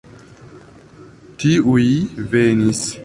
Tiuj venis.